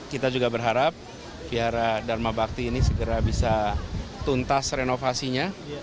kita juga berharap vihara dharma bakti ini segera bisa tuntas renovasinya